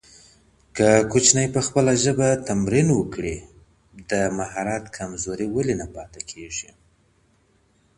که ماسوم په خپله ژبه تمرين وکړي د مهارت کمزوري ولې نه پاته کيږي؟